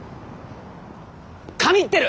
神ってる！